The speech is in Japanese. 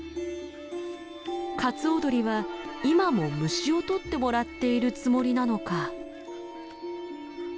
カツオドリは今も虫を取ってもらっているつもりなのか？